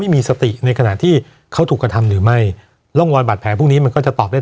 มีสติในขณะที่เขาถูกกระทำหรือไม่ร่องรอยบาดแผลพวกนี้มันก็จะตอบได้